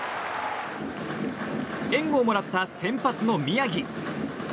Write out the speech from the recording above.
援護をもらった先発の宮城。